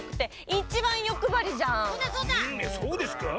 そうですか？